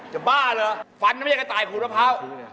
บ้าเหรอฟันไม่ใช่กระต่ายขูดมะพร้าว